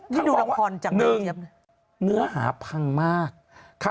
นี่ดูละครจังเลยเจฟเนื้อหาพังมาก